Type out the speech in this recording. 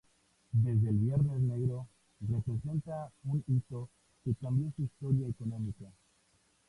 Desde el Viernes Negro, representa un hito que cambió su historia económica.